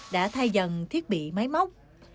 đã thay dần thiết bị máy máy đứt